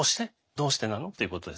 どうしてなの？っていうことです。